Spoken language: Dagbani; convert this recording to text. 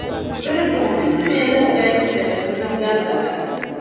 Di ni bɔŋɔ, n-tim ya lahibali ni bɛrisuŋ din gari lala?